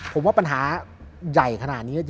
ผมว่าปัญหาใหญ่ขนาดนี้